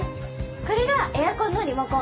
これがエアコンのリモコン